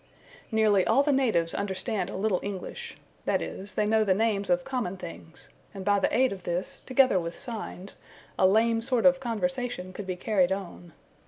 Nearly all the natives understand a little English that is, they know the names of common things; and by the aid of this, together with signs, a lame sort of conversation could be carried on.